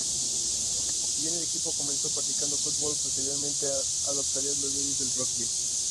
Si bien el equipo comenzó practicando fútbol, posteriormente adoptaría las leyes del rugby.